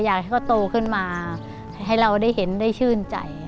อยากให้เขาโตขึ้นมาให้เราได้เห็นได้ชื่นใจ